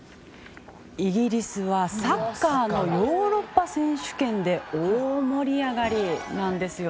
イギリスはサッカーのヨーロッパ選手権で大盛り上がりなんです。